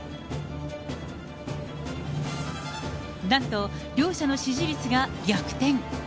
なんと、両者の支持率が逆転。